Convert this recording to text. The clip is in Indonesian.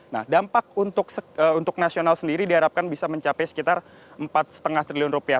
nah dampak untuk nasional sendiri diharapkan bisa mencapai sekitar empat lima triliun rupiah